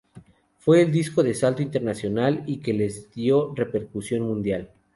Fue el disco del salto internacional y que les dio repercusión mundial.